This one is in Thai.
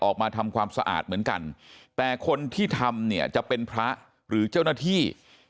ออกมาทำความสะอาดเหมือนกันแต่คนที่ทำเนี่ยจะเป็นพระหรือเจ้าหน้าที่